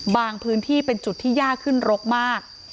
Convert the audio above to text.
พื้นที่เป็นจุดที่ยากขึ้นรกมาก